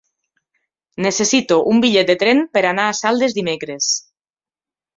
Necessito un bitllet de tren per anar a Saldes dimecres.